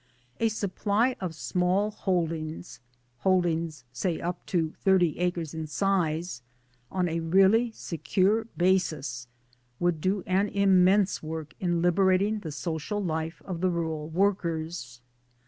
A supply of Small Holdings (holdings say up to thirty acres in size ') on a really secure basis would do an immense work in liberating the social life of the rural workers.